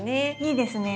いいですね